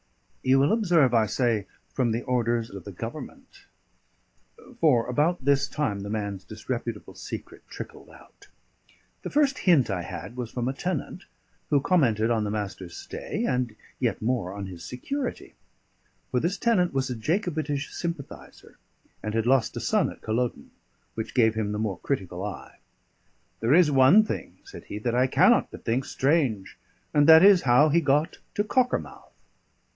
You will observe I say: "from the orders of the Government"; for about this time the man's disreputable secret trickled out. The first hint I had was from a tenant, who commented on the Master's stay, and yet more on his security; for this tenant was a Jacobitish sympathiser, and had lost a son at Culloden, which gave him the more critical eye. "There is one thing," said he, "that I cannot but think strange; and that is how he got to Cockermouth."